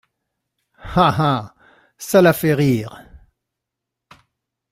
Ah ! ah ! ça la fait rire !…